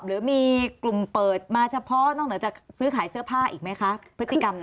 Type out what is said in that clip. หรือมีกลุ่มเปิดมาเฉพาะนอกเหนือจากซื้อขายเสื้อผ้าอีกไหมคะพฤติกรรม